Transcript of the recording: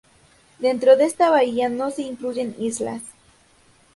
Dentro de esta bahía no se incluyen islas.